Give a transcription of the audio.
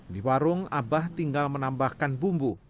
di warung abah tinggal menambahkan bumbu